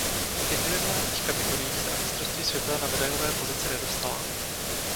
V individuálních kategoriích se na mistrovství světa na medailové pozice nedostala.